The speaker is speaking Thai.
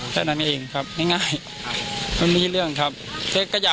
แค่นั้นเองครับง่ายง่ายอ้าวไม่มีเรื่องครับเขาก็อยากรู้